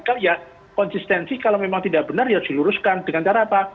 karya konsistensi kalau memang tidak benar ya seluruskan dengan cara apa